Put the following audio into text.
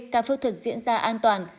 các phẫu thuật diễn ra an toàn